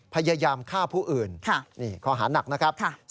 พยายามฆ่าผู้อื่นนี่ข้อหานักนะครับ